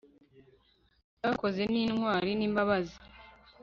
Byakozwe nintwari nimbabazi